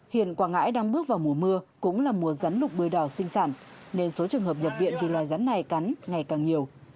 hiện quảng ngãi đang bước vào mùa mưa cũng là mùa rắn lục bôi đỏ sinh sản nên số trường hợp nhập viện vì loài rắn này cắn ngày càng nhiều